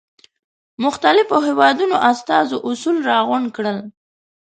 مختلفو هېوادونو استازو اصول را غونډ کړل.